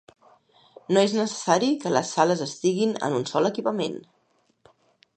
No és necessari que les sales estiguin en un sol equipament.